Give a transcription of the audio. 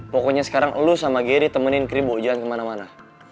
pokoknya sekarang lu sama geri temenin keribu ujian kemana mana